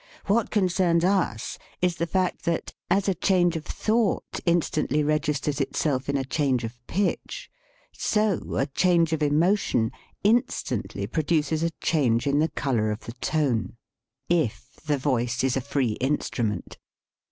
What concerns us is the fact that, as a change of thought in stantly registers itself in a change of pitch, so a change of emotion instantly produces a change in the color of the tone if the voice 65 THE SPEAKING VOICE is a free instrument.